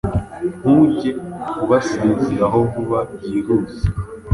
ntujye ubasaziraho vuba byihuse.